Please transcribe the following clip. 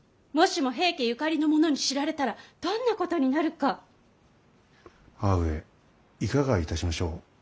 もしも平家ゆかりの者に知られたらどんなことになるか。母上いかがいたしましょう。